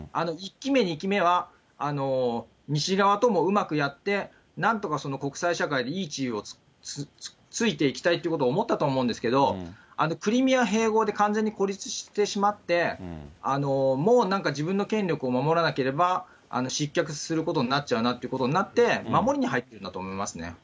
１期目、２期目は西側ともうまくやって、なんとか国際社会でいい地位をついていきたいということを思ったと思うんですけれども、クリミア併合で完全に孤立してしまって、もうなんか自分の権力を守らなければ失脚することになっちゃうなということになって、守りに入ってるんだと思いますね。